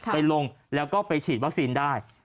ไปลงแล้วก็ไปฉีดวัคซีนได้